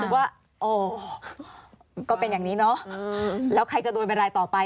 ว่าโอ้ก็เป็นอย่างนี้เนอะแล้วใครจะโดนเป็นรายต่อไป